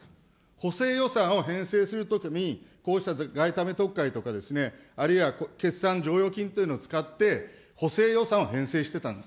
補正予算を編成するときに、こうした外為特会とか、あるいは決算剰余金というのを使って、補正予算を編成してたんです。